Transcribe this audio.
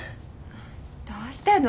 どうしたの？